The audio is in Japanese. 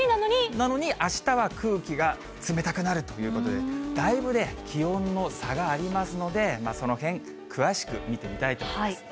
なのにあしたは空気が冷たくなるということで、だいぶね、気温の差がありますので、そのへん詳しく見てみたいと思います。